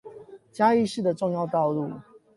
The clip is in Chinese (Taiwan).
嘉義市的重要道路